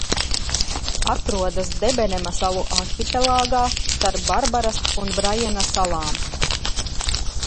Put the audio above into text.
Atrodas Debenema salu arhipelāgā starp Barbaras un Braiena salam.